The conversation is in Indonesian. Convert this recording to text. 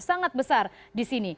sangat besar di sini